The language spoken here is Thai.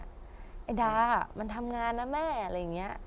ไอ้ดามันทำงานนะแม่อะไรอย่างนี้